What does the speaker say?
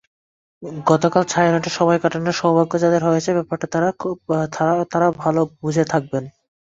গতকাল ছায়ানটে সময় কাটানোর সৌভাগ্য যাঁদের হয়েছে, ব্যাপারটা তাঁরা ভালো বুঝে থাকবেন।